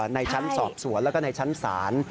ในชั้นสอบสวนแล้วก็ในชั้นศาล